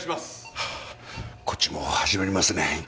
はあこっちも始まりますね院長。